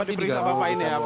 oh kalau di garu pasti di garu